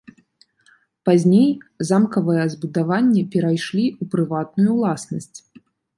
Пазней замкавыя збудаванні перайшлі ў прыватную уласнасць.